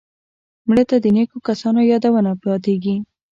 مړه ته د نیکو کسانو یادونه پاتېږي